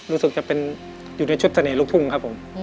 รู้สึกจะเป็นอยู่ในชุดเสน่หลูกทุ่งครับผม